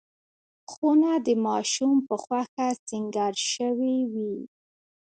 خونه د ماشوم په خوښه سینګار شوې وي.